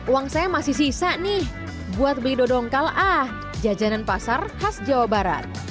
uang saya masih sisa nih buat beli dodongkal ah jajanan pasar khas jawa barat